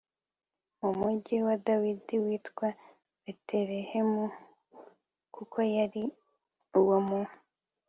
mu mugi wa dawidi witwa betelehemu h kuko yari uwo mu